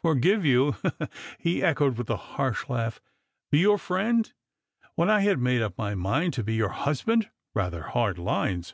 "Forgive you! "be echoed, with a harsh laugh; "be your friend, when I had made up my mind to be your husband ! Eather hard lines.